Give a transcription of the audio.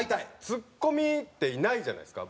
ツッコミっていないじゃないですか。